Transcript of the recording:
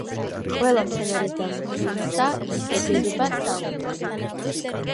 ყველა მცენარეს და მღილსა ის ეგებება სალმითა